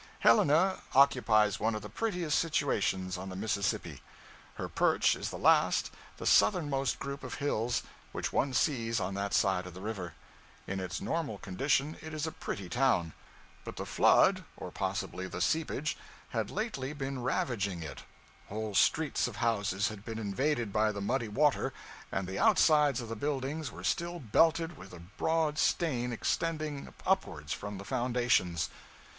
Helena occupies one of the prettiest situations on the Mississippi. Her perch is the last, the southernmost group of hills which one sees on that side of the river. In its normal condition it is a pretty town; but the flood (or possibly the seepage) had lately been ravaging it; whole streets of houses had been invaded by the muddy water, and the outsides of the buildings were still belted with a broad stain extending upwards from the foundations.